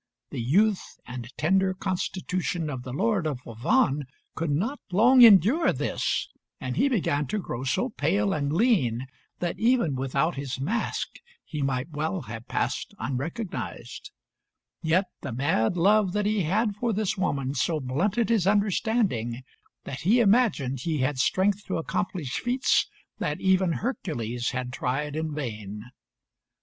The youth and tender constitution of the Lord of Avannes could not long endure this, and he began to grow so pale and lean that even without his mask he might well have passed unrecognised; yet the mad love that he had for this woman so blunted his understanding that he imagined he had strength to accomplish feats that even Hercules had tried in vain.